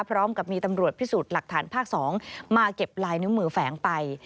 พร้อมกับมีตำรวจพิสูจน์หลักฐานภาค๒มาเก็บลายนิ้วมือแฝงไป